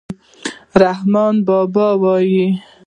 رحمان بابا وايي.